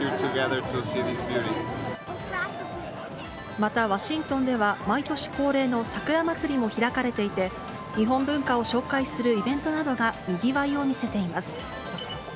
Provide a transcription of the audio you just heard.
また、ワシントンでは、毎年恒例の桜祭りも開かれていて、日本文化を紹介するイベントなどがにぎわいを見せています。